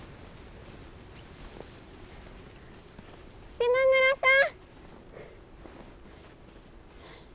島村さん。